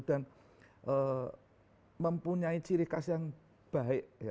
dan mempunyai ciri khas yang baik